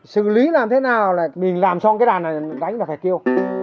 xử lý làm thế nào là mình làm xong cái đàn này đánh vào phải kêu